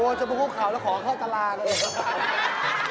กังวดจะมาคุกข่าวแล้วขอข้อตลากันเลยครับ